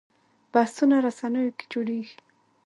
بحثونه رسنیو کې جوړېږي